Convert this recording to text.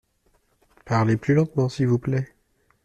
Parlez plus lentement s’il vous plait.